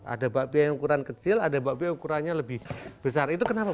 ada bakpia yang ukuran kecil ada bakpia ukurannya lebih besar itu kenapa